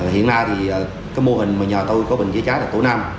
hiện nay mô hình mà nhờ tôi có bình chữa cháy là tổ nam